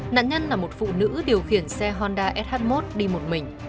nạn nhân là một phụ nữ điều khiển xe honda sh một đi một mình